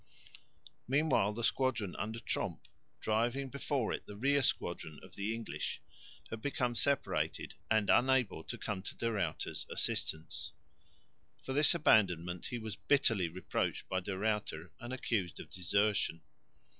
Meanwhile the squadron under Tromp, driving before it the rear squadron of the English, had become separated and unable to come to De Ruyter's assistance. For this abandonment he was bitterly reproached by De Ruyter and accused of desertion.